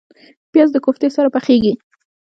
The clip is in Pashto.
پیاز د کوفتې سره پخیږي